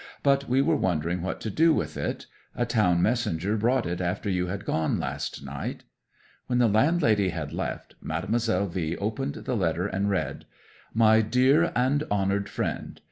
"But we were wondering what to do with it. A town messenger brought it after you had gone last night." 'When the landlady had left, Mademoiselle V opened the letter and read "MY DEAR AND HONOURED FRIEND.